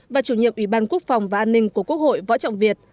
và chủ nhiệm ủy ban quốc phòng và an ninh của quốc hội võ trọng việt